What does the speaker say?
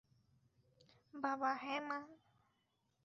বাবা - হ্যাঁ, মা?